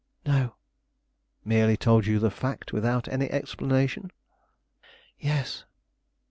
"No." "Merely told you the fact, without any explanation?" "Yes."